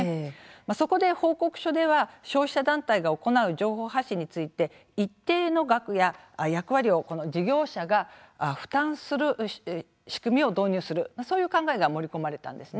そこで報告書では消費者団体が行う情報発信について一定の額や役割を事業者が負担をする仕組みを導入するそういう考えが盛り込まれたんです。